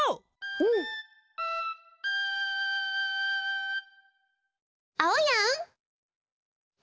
うん！あおやん。